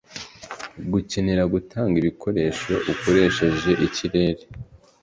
Gukenera gutanga ibikoresho ukoresheje ikirere